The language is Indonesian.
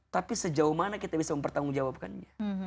tapi sejauh mana kita bisa mempertanggungjawabkannya